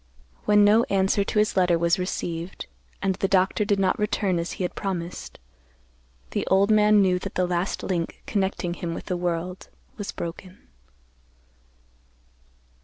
When no answer to his letter was received, and the doctor did not return as he had promised, the old man knew that the last link connecting him with the world was broken.